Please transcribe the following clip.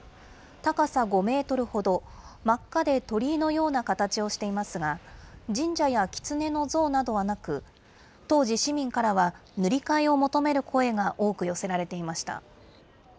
高さ５メートルほど、真っ赤で鳥居のような形をしていますが、神社やきつねの像などはなく、当時、市民からは塗り替えを求める声が多く寄せられていました。